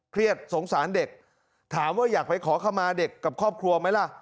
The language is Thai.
เครียดสงสารเด็กถามว่าอยากไปขอขมาเด็กกับครอบครัวไหมล่ะ